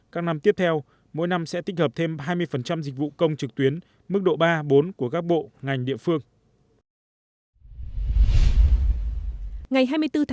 các năm tiếp theo mỗi năm sẽ tích hợp thêm hai mươi dịch vụ công trực tuyến mức độ ba bốn của các bộ ngành địa phương